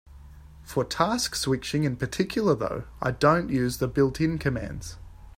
For task switching in particular, though, I don't use the built-in commands.